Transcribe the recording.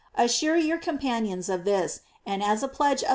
Assure your companions of this, and as a pledge of the * P.